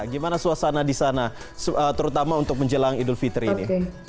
gimana suasana di sana terutama untuk menjelang idul fitri ini